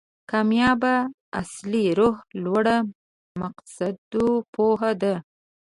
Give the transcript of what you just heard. کامیابي اصلي روح لوړ مقاصدو پوهه ده.